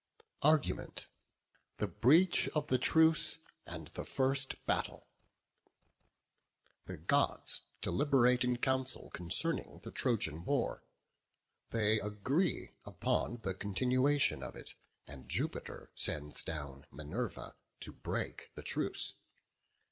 ARGUMENT. THE BREACH OF THE TRUCE, AND THE FIRST BATTLE. The Gods deliberate in council concerning the Trojan war: they agree upon the continuation of it, and Jupiter sends down Minerva to break the truce.